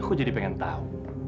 aku jadi pengen tau